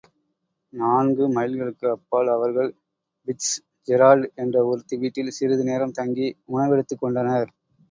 நான்கு மைல்களுக்கு அப்பால் அவர்கள் பிட்ஸ்ஜெரால்டு என்ற ஒருத்தி வீட்டில் சிறிது நேரம் தங்கி உணவெடுத்துக்கொண்டனர்.